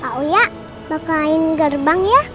pak oya bakal main gerbang ya